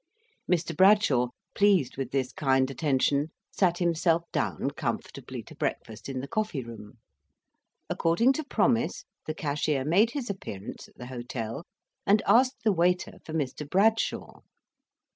Mr. Bradshaw, pleased with this kind attention, sat himself down comfortably to breakfast in the coffee room. According to promise, the cashier made his appearance at the hotel, and asked the waiter for Mr. Bradshaw.